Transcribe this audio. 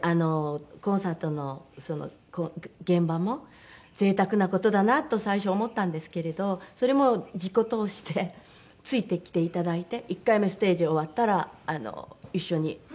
コンサートの現場も贅沢な事だなと最初思ったんですけれどそれも自己投資でついてきていただいて１回目ステージ終わったら一緒に。